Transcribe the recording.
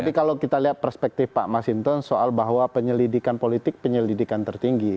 tapi kalau kita lihat perspektif pak mas hinton soal bahwa penyelidikan politik penyelidikan tertinggi